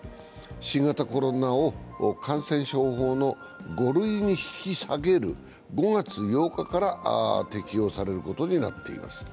新型コロナを感染法の５類に引き下げる５月８日から適用されることになっています。